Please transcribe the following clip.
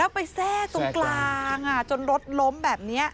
ไปแทรกตรงกลางจนรถล้มแบบนี้